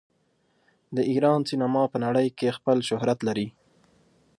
د ایران سینما په نړۍ کې خپل شهرت لري.